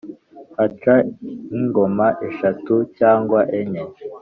haca nk’ingoma eshatu cyangwa enye,